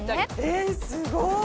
「えっ！すごい！」